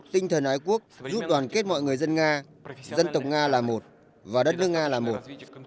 tinh thần ái quốc giúp đoàn kết mọi người dân nga dân tộc nga là một và đất nước nga là một